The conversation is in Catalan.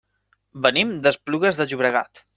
Venim d'Esplugues de Llobregat.